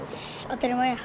当たり前や。